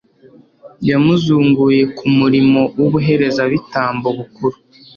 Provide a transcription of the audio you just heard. yamuzunguye ku murimo w'ubuherezabitambo bukuru